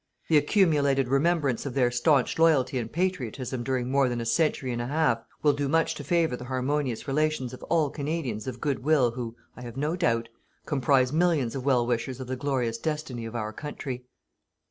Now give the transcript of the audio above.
The accumulated remembrance of their staunch loyalty and patriotism during more than a century and a half will do much to favour the harmonious relations of all Canadians of good will who, I have no doubt, comprise millions of well wishers of the glorious destiny of our country.